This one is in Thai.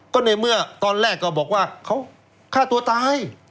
ก็ในเมื่อตอนแรกก็บอกว่าเขาฆ่าตัวตาย